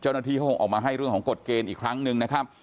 เจ้าหน้าที่เขาคงออกมาให้เรื่องของกฎเกณฑ์อีกครั้งหนึ่งนะครับ